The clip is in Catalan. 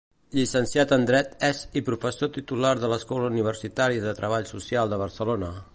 Llicenciat en Dret, és i professor titular de l'Escola Universitària de Treball Social de Barcelona.